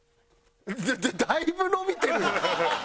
だいぶ伸びてる！